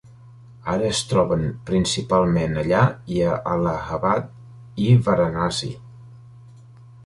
Ara es troben principalment allà i a Allahabad i Varanasi.